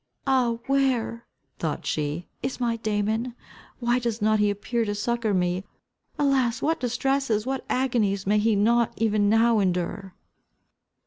"Ah, where," thought she, "is my Damon? Why does not he appear to succour me? Alas, what distresses, what agonies may he not even now endure!"